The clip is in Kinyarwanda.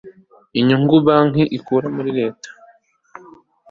inyungu banki ikura muri reta